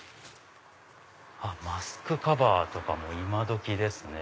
マスクカバーとかも今どきですね。